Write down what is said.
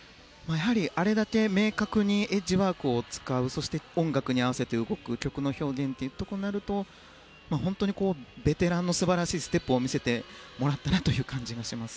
あれだけ明確にエッジワークを使うそして、音楽に合わせて動く曲の表現となると本当にベテランの素晴らしいステップを見せてくれた感じがします。